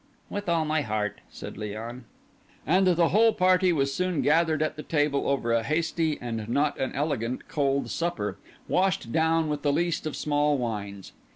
"With all my heart," said Léon. And the whole party was soon gathered at the table over a hasty and not an elegant cold supper, washed down with the least of small wines.